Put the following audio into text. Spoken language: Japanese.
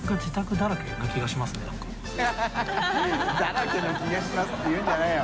］だらけの気がしますて言うんじゃないよ。